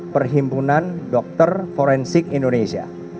perhimpunan dokter forensik indonesia